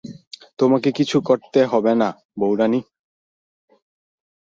তোমাকে কিছু করতে হবে না, বউরানী।